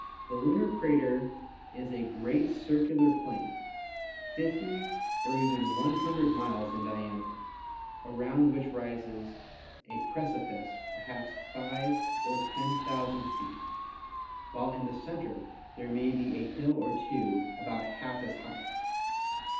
The lunar crater is a great circular plane, 50 or even 100 miles in diameter, around which rises a precipice perhaps five or ten thou sand feet, while in the center there may be a hill or two about half as high'.